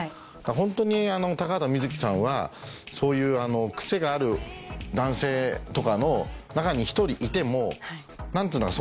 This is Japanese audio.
ホントに高畑充希さんはそういうクセがある男性とかの中に一人いても何つうんだろう